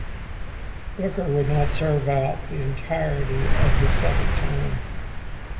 Booker would not serve out the entirety of his second term.